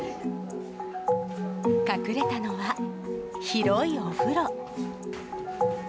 隠れたのは、広いお風呂。